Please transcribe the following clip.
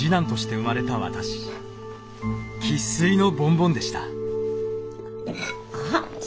生っ粋のボンボンでした。